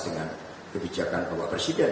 dengan kebijakan bapak presiden